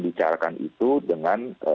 bicarakan itu dengan